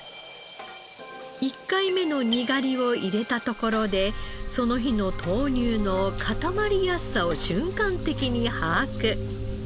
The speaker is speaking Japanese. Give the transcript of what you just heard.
１回目のにがりを入れたところでその日の豆乳の固まりやすさを瞬間的に把握。